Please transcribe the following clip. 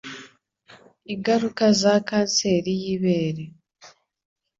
ingaruka za kanseri y'ibere